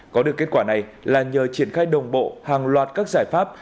có được kết quả này là nhờ triển khai đồng bộ hàng loạt các giải pháp